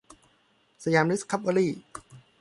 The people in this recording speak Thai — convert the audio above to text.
สยามดิสคัฟเวอรี่